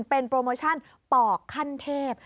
เป็นโปรโมชั่นปอกขั้นเทพ